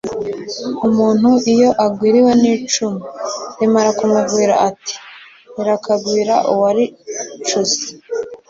Umuntu iyo agwiriwe n’icumu, rimara kumugwira ati: Rirakagwira uwaricuze